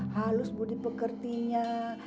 halus budi pekertinya